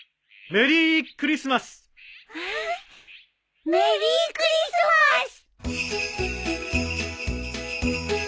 メリークリスマス！